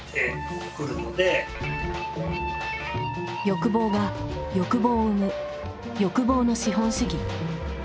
欲望が欲望を生む「欲望の資本主義」。